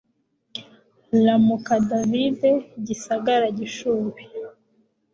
RAMUKA David Gisagara Gishubi